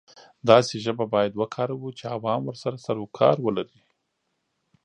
داسې ژبه باید وکاروو چې عوام ورسره سر او کار لري.